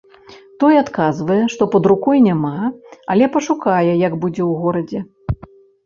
Той адказвае, што пад рукой няма, але пашукае, як будзе ў горадзе.